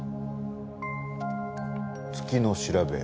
『月の調べ』。